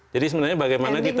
jadi sebenarnya bagaimana kita